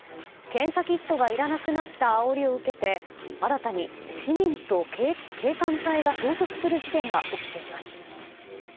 検査キットがいらなくなったあおりを受けて新たに市民と警官隊が衝突する事件が起きています。